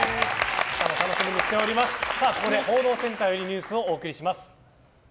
ここで報道センターからニュースをお送りします。